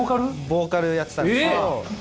ボーカルやってたんですけど。